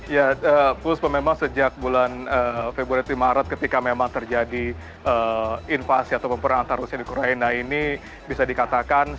ya puspa memang sejak bulan februari maret ketika memang terjadi invasi atau pemeran antar rusia di ukraina ini bisa dikatakan